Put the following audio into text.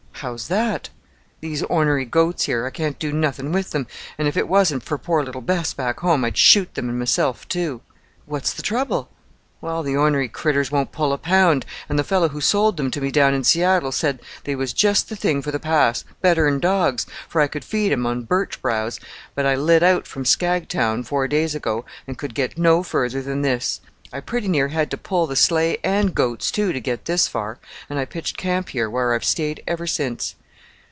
"How's that?" "These ornery goats here, I can't do nothing with them, an' if it wasn't for poor little Bess, back home, I'd shoot them and meself too." "What's the trouble?" "Well, the ornery critters won't pull a pound, and the fellow who sold them to me down in Seattle said they was just the thing for the Pass better'n dogs, for I could feed them on birch browse; but I lit out from Skagtown four days ago and could get no further than this. I pretty near had to pull sleigh and goats too to get this far; and I pitched camp here, where I've stayed ever since.